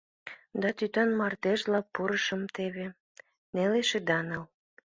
Да, тӱтан мардежла пурышым теве, нелеш ида нал.